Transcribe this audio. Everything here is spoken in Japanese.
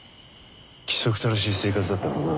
規則正しい生活だったからな。